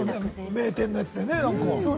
名店のやつでね。